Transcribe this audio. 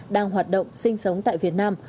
đang hoạt động sinh sống tại việt nam